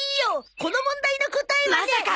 この問題の答えはねフラ。